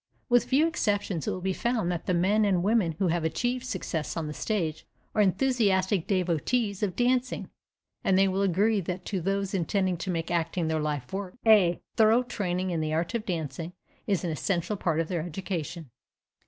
With few exceptions it will be found that the men and women who have achieved success on the stage are enthusiastic devotees of dancing, and they will agree that to those intending to make acting their life work a thorough training in the art of the dance is an essential part of their education.